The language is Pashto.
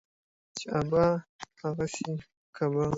چي ابا ، هغه سي يې کبا.